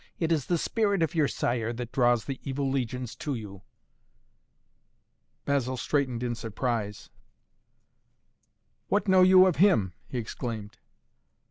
It is the spirit of your sire that draws the evil legions to you." Basil straightened in surprise. "What know you of him?" he exclaimed.